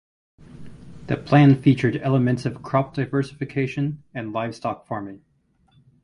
The plan featured elements of crop diversification and livestock farming.